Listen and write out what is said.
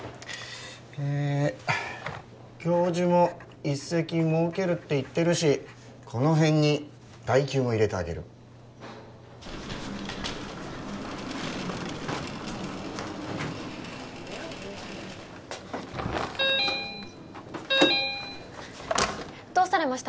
ええ教授も一席設けるって言ってるしこの辺に代休も入れてあげるどうされました？